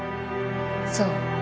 そう。